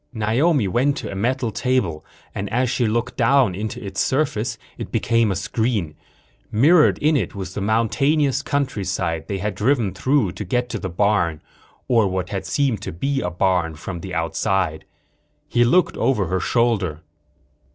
Naomi went to a metal table and as she looked down into its surface it became a screen. Mirrored in it was the mountainous countryside they had driven through to get to the barn or what had seemed to be a barn from the outside. He looked over her shoulder.